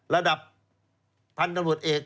ระดับพันธุ์ตำรวจเอก